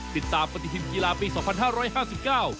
ติดตามปฏิทินกีฬาปีสองพันห้าร้อยห้าสิบเก้า